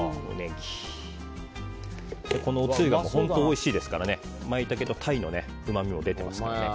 このおつゆが本当においしいですからマイタケと鯛のうまみも出てますからね。